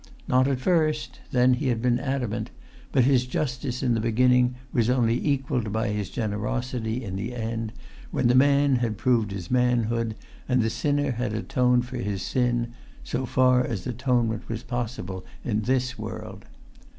Not at first; then he had been adamant; but his justice in the beginning was only equalled by his generosity in the end, when the man had proved his manhood, and the sinner had atoned for his sin, so far as atonement was possible in this world.